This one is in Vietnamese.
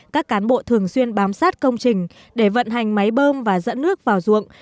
các cán bộ thường xuyên bám sát công trình để vận hành máy bơm và dẫn nước vào ruộng